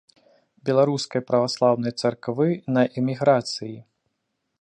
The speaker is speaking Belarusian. Беларускай праваслаўнай царквы на эміграцыі.